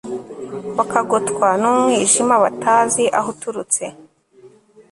bakagotwa n'umwijima batazi aho uturutse